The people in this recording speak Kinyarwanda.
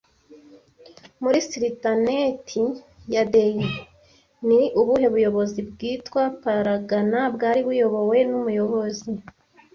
Muri Sultanate ya Delhi, ni ubuhe buyobozi bwitwa Paragana bwari buyobowe n'umuyobozi